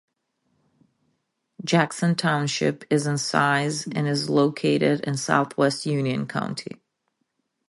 Jackson Township is in size and is located in southwest Union County.